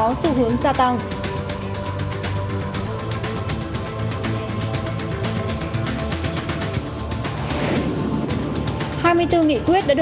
hai mươi bốn nghị quyết đã được thông qua tại khóa học thường kỳ lần thứ ba mươi chín của ủy đồng nhân quyền liên hợp quốc